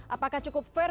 apakah cukup fair